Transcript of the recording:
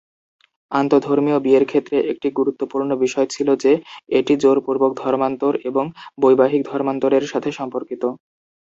আন্তঃধর্মীয় বিয়ের ক্ষেত্রে একটি গুরুত্বপূর্ণ বিষয় ছিল যে এটি জোরপূর্বক ধর্মান্তর এবং বৈবাহিক ধর্মান্তরের সাথে সম্পর্কিত।